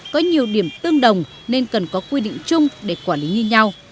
có nhiều điểm tương đồng nên cần có quy định chung để quản lý như nhau